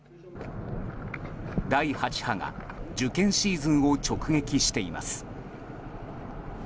第８波が受験シーズンを直撃しています。